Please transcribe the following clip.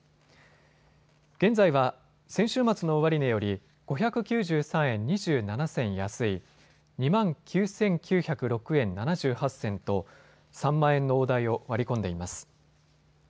現在は先週末の終値より５９３円２７銭安い２万９９０６円７８銭と３万円の大台を割り込んでいます。